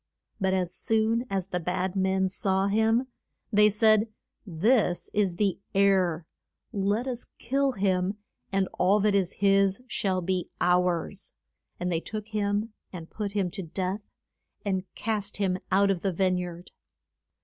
But as soon as the bad men saw him they said, This is the heir; let us kill him, and all that is his shall be ours. And they took him and put him to death, and cast him out of the vine yard.